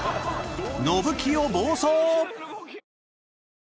［のぶきよ暴走！］